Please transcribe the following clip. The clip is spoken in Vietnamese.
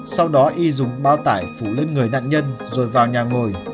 sau đó y dùng bao tải phủ lên người nạn nhân rồi vào nhà ngồi